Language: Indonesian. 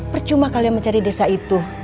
percuma kalian mencari desa itu